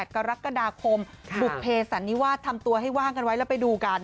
กรกฎาคมบุภเพสันนิวาสทำตัวให้ว่างกันไว้แล้วไปดูกัน